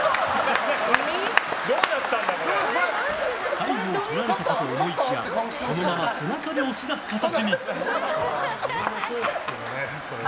背後を取られたかと思いきやそのまま背中で押し出す形に。